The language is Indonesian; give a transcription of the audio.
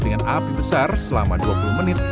dengan api besar selama dua puluh menit